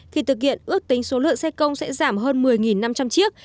khi thực hiện ước tính số lượng xe công sẽ giảm hơn một mươi năm trăm linh chiếc